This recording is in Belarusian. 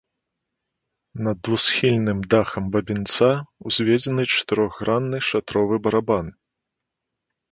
Над двухсхільным дахам бабінца ўзведзены чатырохгранны шатровы барабан.